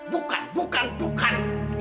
bukan bukan bukan